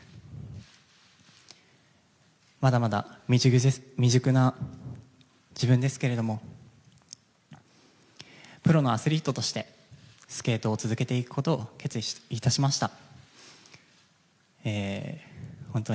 まだまだ未熟な自分ですけれどもプロのアスリートとしてスケートを続けていくことを決意致しました。